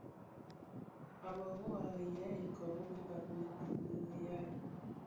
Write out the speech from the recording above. A bërô à rì yêê ikoɔ wu gib bi riyal.